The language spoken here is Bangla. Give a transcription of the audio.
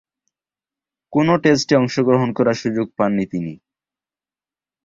কোন টেস্টে অংশগ্রহণ করার সুযোগ পাননি তিনি।